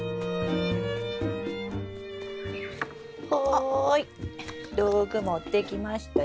はい道具持ってきましたよ。